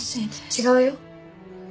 違うよ。